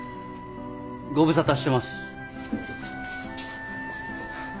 ご無沙汰してます。